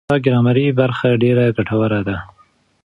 دا ګرامري برخه ډېره ګټوره ده.